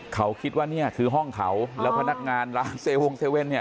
เขาคิดว่านี่คือห้องเขาแล้วพนักงานร้านเซเว่น